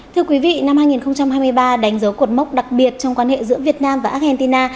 thưa quý vị năm hai nghìn hai mươi ba đánh dấu cột mốc đặc biệt trong quan hệ giữa việt nam và argentina